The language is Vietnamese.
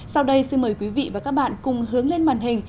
sau đây xin mời quý vị và các bạn cùng hướng lên màn hình